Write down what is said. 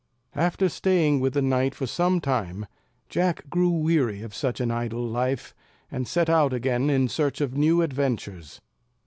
After staying with the knight for some time, Jack grew weary of such an idle life, and set out again in search of new adventures.